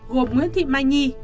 gồm nguyễn thị mai nhi